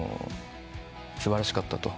「素晴らしかった。